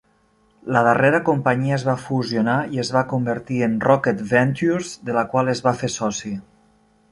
La darrera companyia es va fusionar i es va convertir en Rocket Ventures, de la qual es va fer soci.